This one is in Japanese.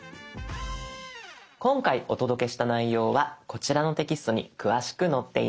今回お届けした内容はこちらのテキストに詳しく載っています。